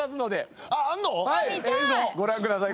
はいご覧ください。